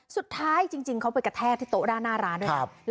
สุดท้ายจริงจริงเขาไปกระแทกที่โต๊ะหน้าร้านด้วยครับครับ